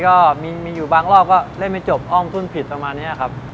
ก็มีบางรอบฝึกเล่นไม่จบซึ่งผิดสมัยเนี้ยครับ